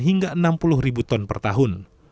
hingga enam puluh ribu ton per tahun